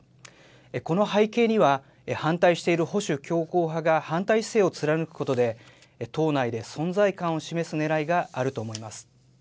この背景には、反対している保守強硬派が反対姿勢を貫くことで、党内で存在感を示すねらいがあると思います。